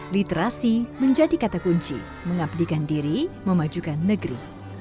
literasi menjadi kata kunci mengabdikan diri memajukan negeri